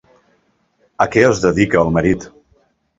A què es dedica el marit?